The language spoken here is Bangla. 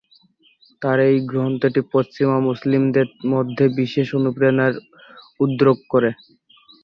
তার এ গ্রন্থটি পশ্চিমা মুসলিমদের মধ্যে বিশেষ অনুপ্রেরণার উদ্রেক করে।